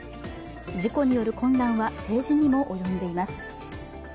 事故による混乱は政治にも及んでいます。